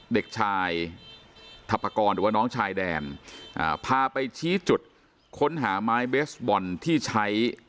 เด็กชายทัพกรหรือว่าน้องชายแดนอ่าพาไปชี้จุดค้นหาไม้เบสบอลที่ใช้